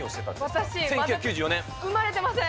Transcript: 私、まだ生まれてません。